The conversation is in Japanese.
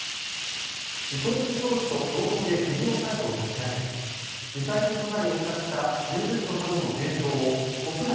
伊藤忠商事と共同で専用サイトを立ち上げリサイクル素材を使った紙袋などの提供を国内